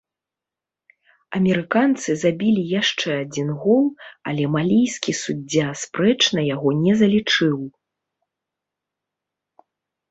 Амерыканцы забілі яшчэ адзін гол, але малійскі суддзя спрэчна яго не залічыў.